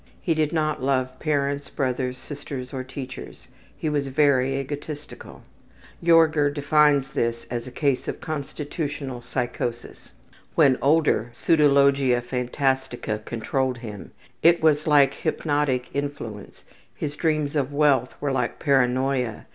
He did not love parents, brothers, sisters, or teachers; he was very egotistical. Jorger defines this as a case of constitutional psychosis. When older, pseudologia phantastica controlled him; it was like hypnotic influence, his dreams of wealth were like paranoia.